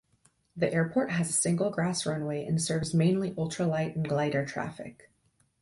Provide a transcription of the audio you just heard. The airport has a single grass runway, and serves mainly ultralight and glider traffic.